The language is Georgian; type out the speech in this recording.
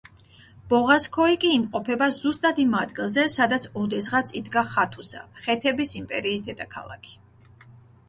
ბოღაზქოი კი იმყოფება ზუსტად იმ ადგილზე, სადაც ოდესღაც იდგა ხათუსა, ხეთების იმპერიის დედაქალაქი.